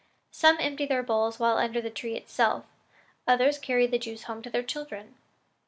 Some empty their bowls while under the tree itself; others carry the juice home to their children."